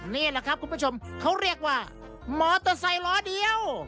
นี่แหละครับคุณผู้ชมเขาเรียกว่ามอเตอร์ไซค์ล้อเดียว